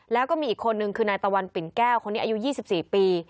แล้วก็มีอีกคนนึงคือนายตะวันปิ่นแก้วคนนี้อายุ๒๔ปี